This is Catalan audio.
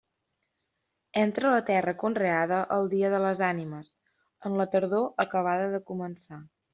Entra a la terra conreada el dia de les Ànimes, en la tardor acabada de començar.